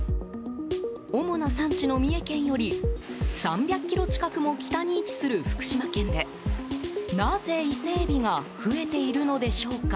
主な産地の三重県より３００ｋｍ近くも北に位置する福島県でなぜ、イセエビが増えているのでしょうか。